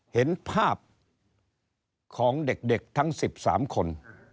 เห็นภาพของเด็กทั้ง๑๓คน